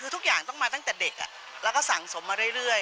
คือทุกอย่างต้องมาตั้งแต่เด็กแล้วก็สั่งสมมาเรื่อย